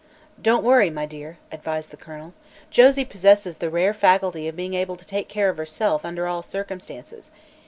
"Don't worry, my dear," advised the colonel. "Josie possesses the rare faculty of being able to take care of herself under all circumstances.